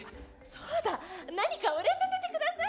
そうだ何かお礼させてください。